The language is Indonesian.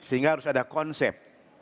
sehingga harus ada konsep